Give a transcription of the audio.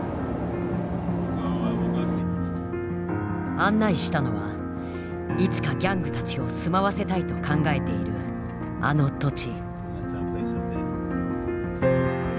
案内したのはいつかギャングたちを住まわせたいと考えているあの土地。